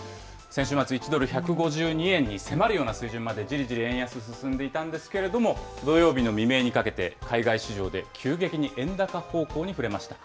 先週末、１ドル１５２円に迫るような水準までじりじり円安、進んでいたんですけれども、土曜日の未明にかけて、海外市場で急激な円高方向に振れました。